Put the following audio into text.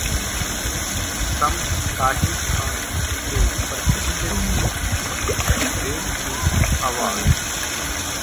शम्स ताहिर खान को प्रतिष्ठित Red Ink award